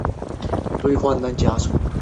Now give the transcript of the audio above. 构成胶原的氨基酸序列非常有特色。